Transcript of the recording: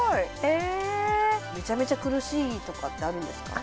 めちゃめちゃ苦しいとかってあるんですか？